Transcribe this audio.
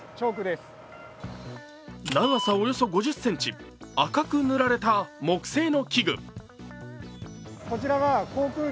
長さおよそ５０ｃｍ、赤く塗られた木製の器具。